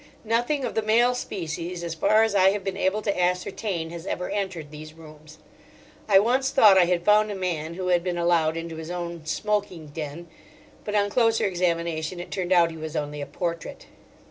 Nothing of the male species, as far as I have been able to ascertain, has ever entered these rooms. I once thought I had found a man who had been allowed into his own "Smoking Den," but on closer examination it turned out he was only a portrait.